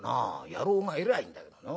野郎がいりゃいいんだけどな。